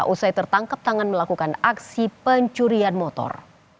usai tertangkap tangan melakukan aksi pencurian motor